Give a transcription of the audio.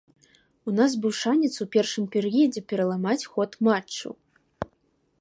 У нас быў шанец у першым перыядзе пераламаць ход матчу.